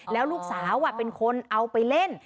แล้วลูกสาวเป็นคนเอาไปเล่น